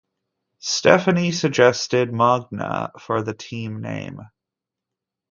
Stephanie suggested Magna for the team name.